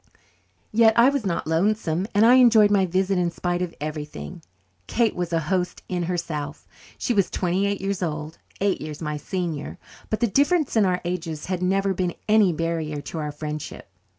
Yet I was not lonesome, and I enjoyed my visit in spite of everything. Kate was a host in herself. She was twenty eight years old eight years my senior but the difference in our ages had never been any barrier to our friendship.